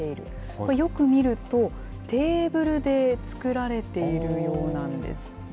これよく見ると、テーブルで作られているようなんです。